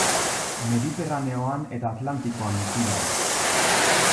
Mediterraneoan eta Atlantikoan bizi da.